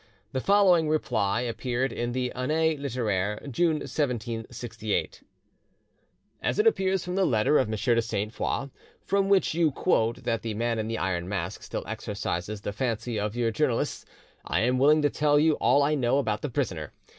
The following reply appeared in the 'Annee Litteraire (June 1768):— "As it appears from the letter of M. de Sainte Foix from which you quote that the Man in the Iron Mask still exercises the fancy of your journalists, I am willing to tell you all I know about the prisoner.